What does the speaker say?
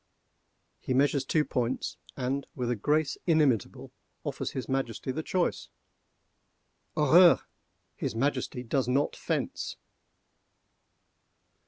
He measures two points, and, with a grace inimitable, offers his Majesty the choice. Horreur! his Majesty does not fence!